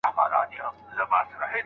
تابلوګاني قندیلونه ساعتونه